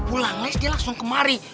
pulang les dia langsung kemari